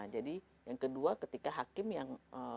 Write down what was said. jadi yang kedua ketika hakim yang